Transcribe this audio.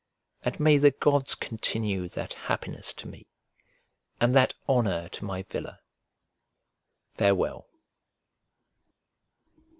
And may the gods continue that happiness to me, and that honour to my villa. Farewell.